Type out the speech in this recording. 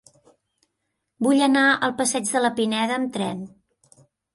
Vull anar al passeig de la Pineda amb tren.